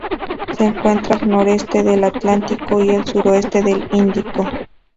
Se encuentra al noreste del Atlántico y el suroeste del Índico.